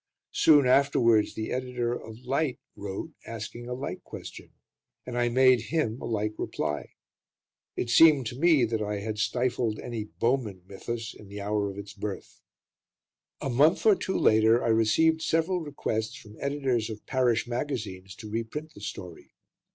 Soon afterwards the editor of Light wrote asking a like question, and I made him a like reply. It seemed to me that I had stifled any "Bowmen" mythos in the hour of its birth. A month or two later, I received several requests from editors of parish magazines to reprint the story.